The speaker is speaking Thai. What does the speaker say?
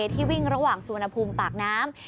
ที่วิ่งระหว่างสุวรรณภูมิปากน้ำ